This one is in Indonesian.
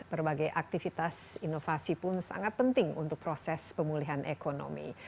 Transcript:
berbagai aktivitas inovasi pun sangat penting untuk proses pemulihan ekonomi